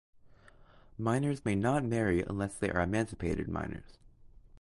Minors may not marry unless they are emancipated minors.